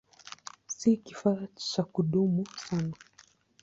Si kifaa cha kudumu sana.